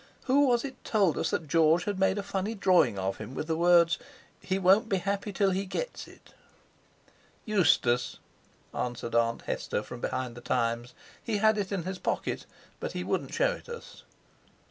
Who was it told us that George had made a funny drawing of him with the words, 'He won't be happy till he gets it'." "Eustace," answered Aunt Hester from behind The Times; "he had it in his pocket, but he wouldn't show it us."